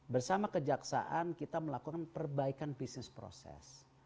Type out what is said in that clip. bersama kejaksaan kita melakukan perbaikan bisnis proses